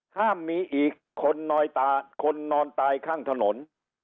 ห้ามมีอีกคนนอยตาคนนอนตายข้างถนน